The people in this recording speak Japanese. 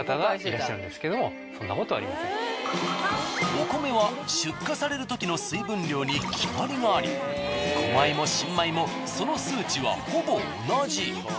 お米は出荷されるときの水分量に決まりがあり古米も新米もその数値はほぼ同じ。